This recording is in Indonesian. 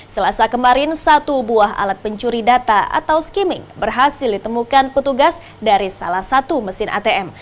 selasa kemarin satu buah alat pencuri data atau skimming berhasil ditemukan petugas dari salah satu mesin atm